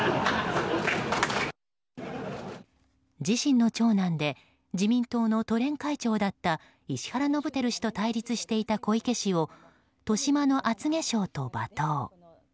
自身の長男で自民党の都連会長だった石原伸晃氏と対立していた小池氏を豊島の厚化粧と罵倒。